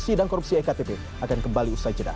sidang korupsi ektp akan kembali usai jeda